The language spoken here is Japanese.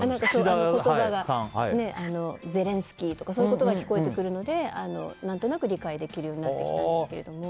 ゼレンスキーとかそういう言葉は聞こえてくるので何となく理解できるようになってきたんですけど。